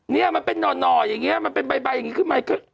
เนี่ยมันเป็นหน่ออย่างนี้มันเป็นใบอย่างนี้ขึ้นมา